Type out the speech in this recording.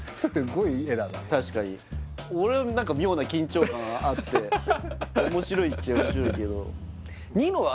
確かに俺は何か妙な緊張感があって面白いっちゃ面白いけどニノは？